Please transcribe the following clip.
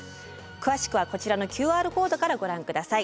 詳しくはこちらのＱＲコードからご覧下さい。